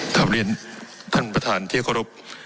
ถ้าเรียนท่านประธานเที่ยวเคารพ